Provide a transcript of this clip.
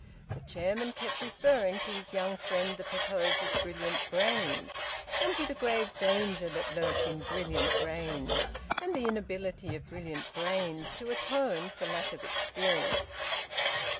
The chairman kept referring to his young friend the proposer's brilliant brains, and to the grave danger that lurked in brilliant brains, and the inability of brilliant brains to atone for lack of experience.